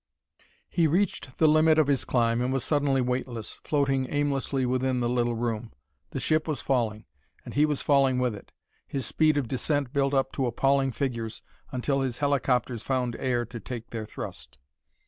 He reached the limit of his climb and was suddenly weightless, floating aimlessly within the little room; the ship was falling, and he was falling with it. His speed of descent built up to appalling figures until his helicopters found air to take their thrust.